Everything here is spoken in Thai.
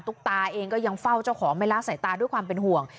ตาเองก็ยังเฝ้าเจ้าของไม่ละสายตาด้วยความเป็นห่วง